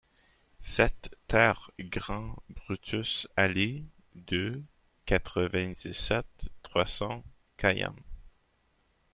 sept TER grand Brutus Allée deux, quatre-vingt-dix-sept, trois cents, Cayenne